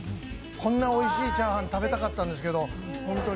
こんなおいしいチャーハン食べたかったんですけど、本当に。